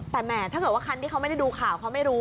แต่แหมถ้าเกิดว่าคันที่เขาไม่ได้ดูข่าวเขาไม่รู้